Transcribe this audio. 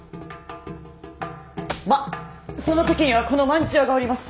まっその時にはこの万千代がおります。